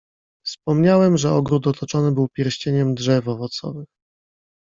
"Wspomniałem, że ogród otoczony był pierścieniem drzew owocowych."